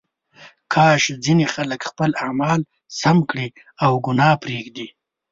کاش ځینې خلک خپل اعمال سم کړي او ګناه پرېږدي.